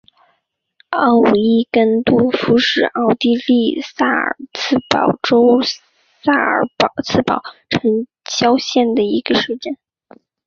奥伊根多夫是奥地利萨尔茨堡州萨尔茨堡城郊县的一个市镇。